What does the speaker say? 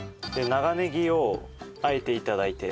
長ネギをあえていただいて。